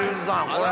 これ。